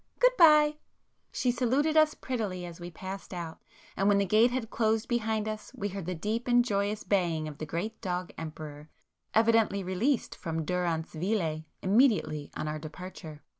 Good bye!" She saluted us prettily as we passed out, and when the gate had closed behind us we heard the deep and joyous baying of the great dog 'Emperor,' evidently released from 'durance vile' immediately on our departure.